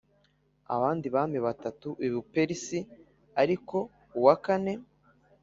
abandi bami batatu i Buperesi ariko uwa kane